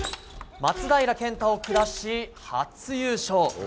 松平健太を下し、初優勝。